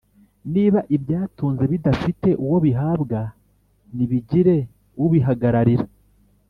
niba ibyatunze bidafite uwo bihabwa nibigire ubihagararira